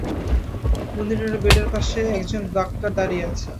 মুনিরের বেডের পাশে এক জন ডাক্তার দাঁড়িয়ে আছেন।